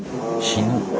死ぬ。